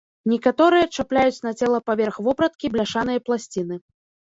Некаторыя чапляюць на цела паверх вопраткі бляшаныя пласціны.